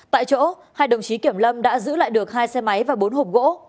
tại chỗ hai đồng chí kiểm lâm đã giữ lại được hai xe máy và bốn hộp gỗ